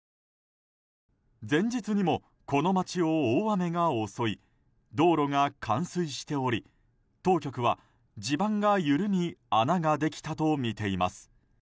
前日にも、この街を大雨が襲い道路が冠水しており当局は地盤が緩み穴ができたとみています。